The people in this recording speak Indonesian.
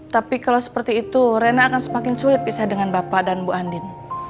tapi kalau seperti itu rena akan semakin sulit bisa dengan bapak dan bu andin